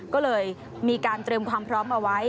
ก็เลยมีการเตรียมความพร้อมเอาไว้